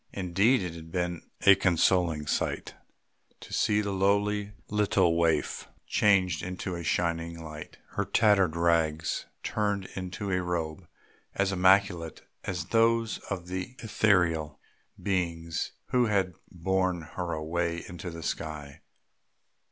Indeed it had been a consoling sight to see the lowly little waif changed into a shining light, her tattered rags turned into a robe as immaculate as those of the ethereal beings who had borne her away into the sky.